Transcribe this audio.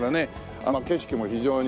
あの景色も非常に。